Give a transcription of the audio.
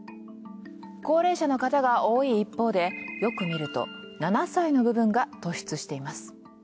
高齢者の方が多い一方でよく見ると７歳の部分が突出しています。